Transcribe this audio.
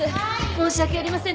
申し訳ありません